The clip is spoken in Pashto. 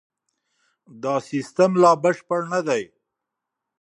دا سیستم لا بشپړ نه دی.